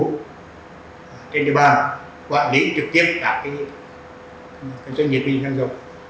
trên địa bàn quản lý trực tiếp các doanh nghiệp minh mệnh sang giàu